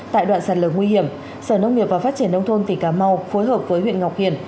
tại đoạn sạt lở nguy hiểm sở nông nghiệp và phát triển nông thôn tỉnh cà mau phối hợp với huyện ngọc hiển